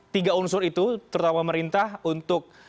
tiga unsur itu terutama pemerintah untuk